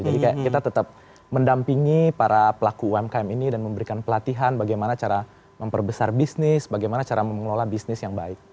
jadi kita tetap mendampingi para pelaku umkm ini dan memberikan pelatihan bagaimana cara memperbesar bisnis bagaimana cara mengelola bisnis yang baik